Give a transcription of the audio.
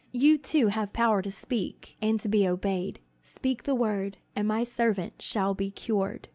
You, too, have power to speak and to be obeyed. Speak the word, and my servant shall be cured."